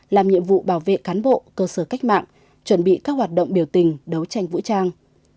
làm nhiệm vụ bảo vệ cán bộ cơ sở cách mạng chuẩn bị các hoạt động biểu tình đấu tranh vũ trang